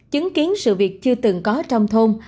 chứng kiến sự việc chưa từng có trong thôn